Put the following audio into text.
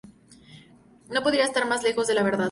No podría estar más lejos de la verdad.